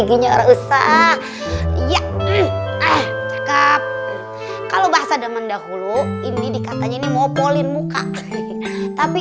kegignya rusak ya eh cakep kalau bahasa zaman dahulu ini dikatanya ini mau polin muka tapi